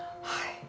はい。